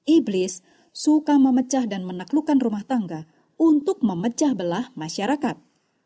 iblis suka memecah dan menaklukkan rumah tangga untuk memecah belah masyarakat